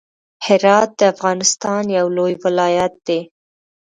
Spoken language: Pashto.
هرات د افغانستان يو لوی ولايت دی.